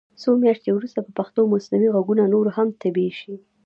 څو میاشتې وروسته به پښتو مصنوعي غږونه نور هم طبعي شي.